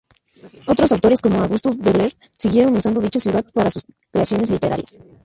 Otros autores, como August Derleth siguieron usando dicha ciudad para sus creaciones literarias.